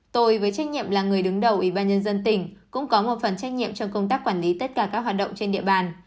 tôi với trách nhiệm là người đứng đầu ủy ban nhân dân tỉnh cũng có một phần trách nhiệm trong công tác quản lý tất cả các hoạt động trên địa bàn